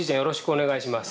・お願いします。